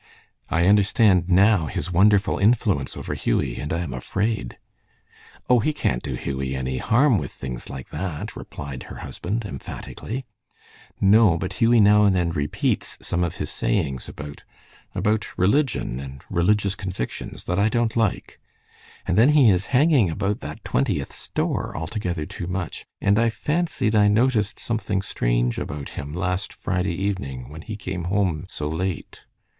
I understand, now, his wonderful influence over Hughie, and I am afraid." "O, he can't do Hughie any harm with things like that," replied her husband, emphatically. "No, but Hughie now and then repeats some of his sayings about about religion and religious convictions, that I don't like. And then he is hanging about that Twentieth store altogether too much, and I fancied I noticed something strange about him last Friday evening when he came home so late."